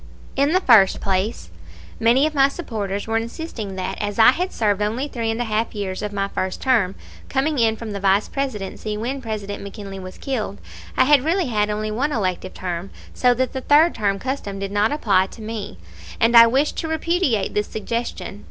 In the first place, many of my supporters were insisting that, as I had served only three and a half years of my first term, coming in from the Vice Presidency when President McKinley was killed, I had really had only one elective term, so that the third term custom did not apply to me; and I wished to repudiate this suggestion.